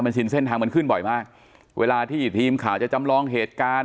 ชินเส้นทางมันขึ้นบ่อยมากเวลาที่ทีมข่าวจะจำลองเหตุการณ์